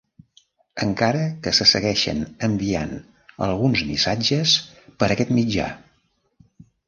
Encara que se segueixen enviant alguns missatges per aquest mitjà.